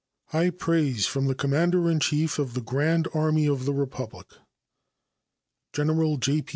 High Praise from the Commander in Chief of the Grand Army of the Republic. General J.